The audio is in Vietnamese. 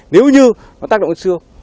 nếu như nó tác động xương